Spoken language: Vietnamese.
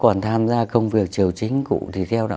có ban thờ đặc tượng khổng tử và thái thượng lão quân